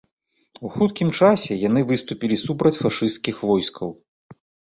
У хуткім часе яны выступілі супраць фашысцкіх войскаў.